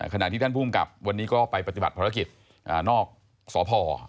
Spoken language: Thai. ขณะที่ท่านภูมิกับวันนี้ก็ไปปฏิบัติภารกิจนอกสพ